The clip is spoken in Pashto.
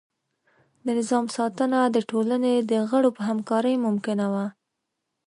د نظام ساتنه د ټولنې د غړو په همکارۍ ممکنه وه.